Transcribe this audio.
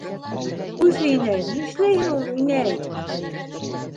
Ҡуйсы, инәй, нишләйһең ул, инәй?!